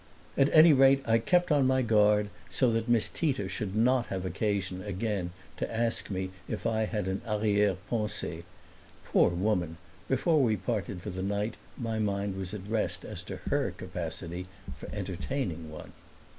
At any rate I kept on my guard, so that Miss Tita should not have occasion again to ask me if I had an arriere pensee. Poor woman, before we parted for the night my mind was at rest as to HER capacity for entertaining one.